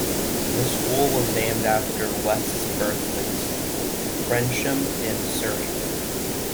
The school was named after West's birthplace, Frensham in Surrey.